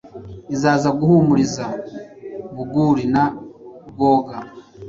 Izaza guhimuriza Buguri na Rwoga